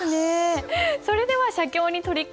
それでは写経に取り組んでいきます。